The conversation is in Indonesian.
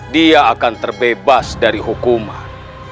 dia akan terbebas dari hukuman